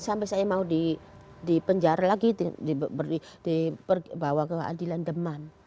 sampai saya mau dipenjara lagi dibawa ke adilan demam